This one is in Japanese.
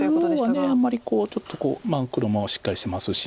中央はあんまりこうちょっと黒もしっかりしてますし。